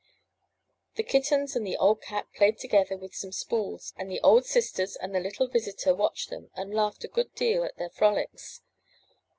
The kittens and the old cat played together with some spools, and the old sisters and their little visitor watched them, and laughed a good deal at their frolics.